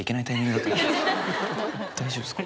大丈夫ですか？